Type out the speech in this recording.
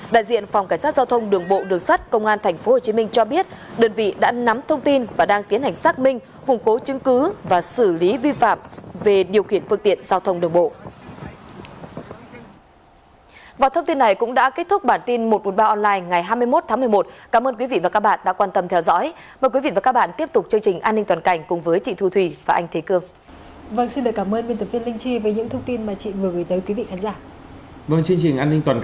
đại diện phòng cảnh sát giao thông đường bộ đường sắt công an tp hcm cho biết đơn vị đã nắm thông tin và đang tiến hành xác minh khủng cố chứng cứ và xử lý vi phạm về điều khiển phương tiện giao thông đường bộ